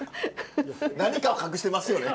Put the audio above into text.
何かを隠してますよね？